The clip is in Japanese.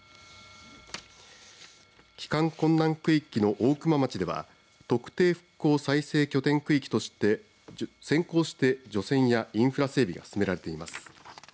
帰還困難区域の大熊町では特定復興再生拠点区域として先行して除染やインフラ整備が進められています。